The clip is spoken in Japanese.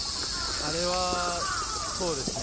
あれはそうですね。